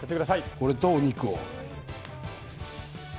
これとお肉を。